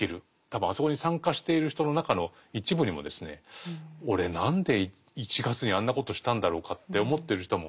多分あそこに参加している人の中の一部にもですね俺何で１月にあんなことしたんだろうかって思ってる人も多分いると思う。